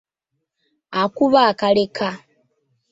Akuba akaleka.